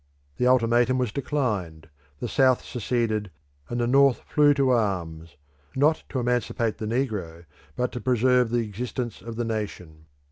The ultimatum was declined; the South seceded, and the North flew to arms, not to emancipate the negro, but to preserve the existence of the nation.